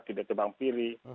tidak kebang pilih